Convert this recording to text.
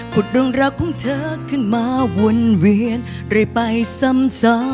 ขุดรองราวของเธอขึ้นมาวนเวียนเลยไปซ้ำ